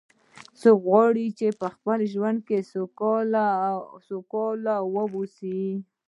څوک غواړي چې په خپل ژوند کې سوکاله و اوسي